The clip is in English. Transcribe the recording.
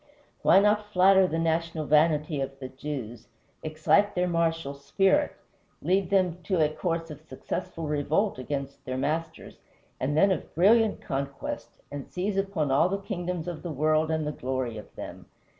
Why not flatter the national vanity of the Jews, excite their martial spirit, lead them to a course of successful revolt against their masters, and then of brilliant conquest, and seize upon all the kingdoms of the world and the glory of them?